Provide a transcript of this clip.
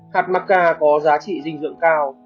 hạt macca có giá trị dinh dưỡng cao